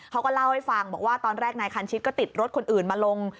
เขาก็เล่าให้ฟังบอกว่าตอนแรกนายคันชิดก็ติดรถคนอื่นมาลง